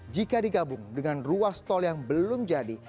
jika digabung dengan ruas tol yang belum jauh lagi